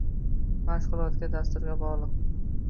Mashg'ulotga, dasturga bog'liq